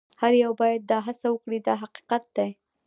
هر یو باید دا هڅه وکړي دا حقیقت دی.